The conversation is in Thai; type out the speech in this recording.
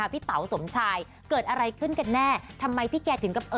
ให้ความรักด้วยครับครับ